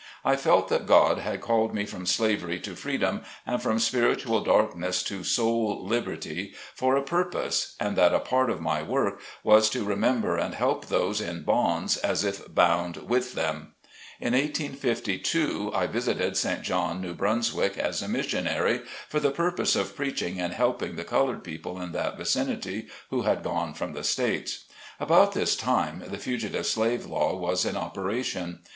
I felt that God had called me from slavery to freedom, and from spiritual dark ness to soul liberty, for a purpose, and that a part of my work was to remember and help those in bonds as if bound with them. In 1852, I visited St. John, New Brunswick, as a missionary, for the purpose of preaching and helping the colored people in that vicinity who had gone from the States. About this time the fugitive slave law was in operation.